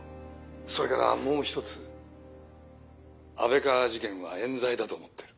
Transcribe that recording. それからもう一つ安倍川事件はえん罪だと思ってる。